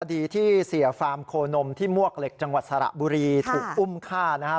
คดีที่เสียฟาร์มโคนมที่มวกเหล็กจังหวัดสระบุรีถูกอุ้มฆ่านะครับ